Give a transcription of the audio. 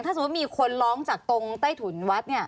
ถ้าสมมุติมีคนร้องจากตรงใต้ถุนวัด